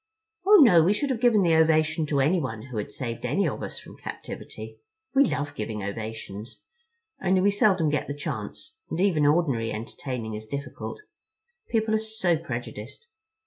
"Oh, no, we should have given the ovation to anyone who had saved any of us from captivity. We love giving ovations. Only we so seldom get the chance, and even ordinary entertaining is difficult. People are so prejudiced.